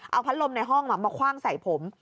เอาพัดลมในห้องมาคว่างใส่ผม